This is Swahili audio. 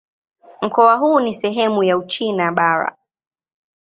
Mkoa huu ni sehemu ya Uchina Bara.